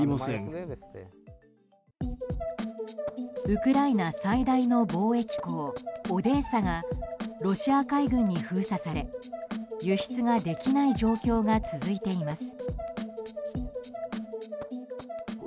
ウクライナ最大の貿易港オデーサがロシア海軍に封鎖され輸出ができない状況が続いています。